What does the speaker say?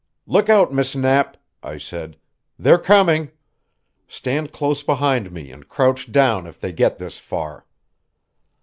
"Look out, Miss Knapp," I said. "They're coming. Stand close behind me, and crouch down if they get this far."